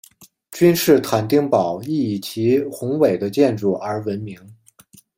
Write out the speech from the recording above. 君士坦丁堡亦以其宏伟的建筑而闻名。